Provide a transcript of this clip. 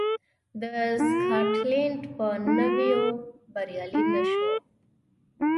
د سکاټلنډ په نیولو بریالی نه شو.